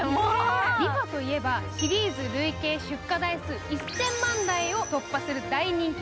リファといえば、シリーズ累計１０００万台を突破する大人気。